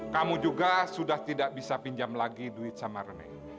kamu juga sudah tidak bisa pinjam lagi duit sama remeh